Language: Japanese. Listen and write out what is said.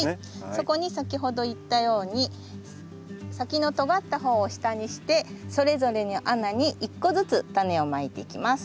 そこに先ほど言ったように先のとがった方を下にしてそれぞれの穴に１個ずつタネをまいていきます。